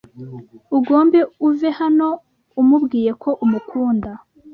ugombe uve hano umubwiye ko umukunda